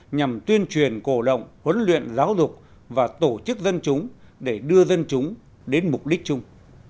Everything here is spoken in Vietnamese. nhằm tuyên truyền cổ động huấn luyện giáo dục và tổ chức dân chúng để đưa dân chúng đến mục đích chung